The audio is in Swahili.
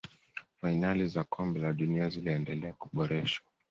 fainali za kombe la dunia ziliendelea kuboreshwa